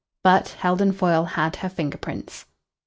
But Heldon Foyle had her finger prints.